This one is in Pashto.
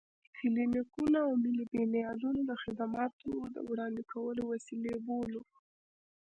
کلينيکونه او ملي بنيادونه د خدماتو د وړاندې کولو وسيلې بولو.